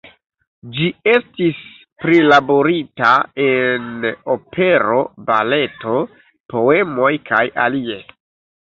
Ĝi estis prilaborita en opero, baleto, poemoj kaj alie.